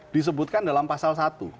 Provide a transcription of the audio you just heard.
disebutkan dalam pasal satu